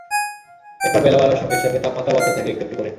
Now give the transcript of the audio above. এরপর বেলা বাড়ার সঙ্গে সঙ্গে তাপমাত্রাও বাড়তে থাকে একটু একটু করে।